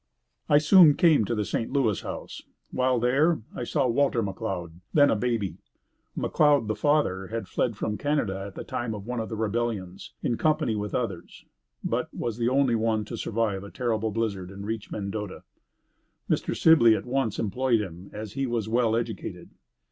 I soon came to the St. Louis house. While there, I saw Walter McLeod, then a baby. McLeod, the father, had fled from Canada at the time of one of the rebellions, in company with others, but was the only one to survive a terrible blizzard and reach Mendota. Mr. Sibley at once employed him as he was well educated.